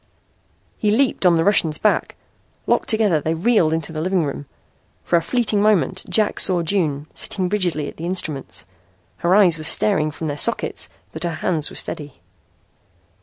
He leaped on the Russian's back. Locked together they reeled into the living room. For a fleeting moment Jack saw June sitting rigidly at the instruments. Her eyes were starting from their sockets but her hands were steady.